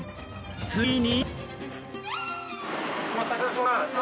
ついに。